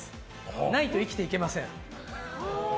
ないと生きていけません。